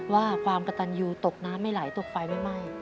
ว่าความกระตันยูตกน้ำไม่ไหลตกไฟไม่ไหม้